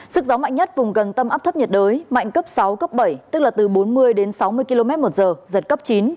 sức gió mạnh nhất vùng gần tâm áp thấp nhiệt đới mạnh cấp sáu cấp bảy tức là từ bốn mươi đến sáu mươi km một giờ giật cấp chín